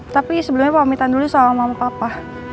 tapi sebelumnya pamitan dulu sama mama papa